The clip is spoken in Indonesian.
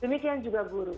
demikian juga guru